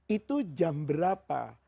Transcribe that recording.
itu jam berapa